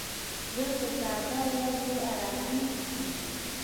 زه د ساده ورځو ارامي خوښوم.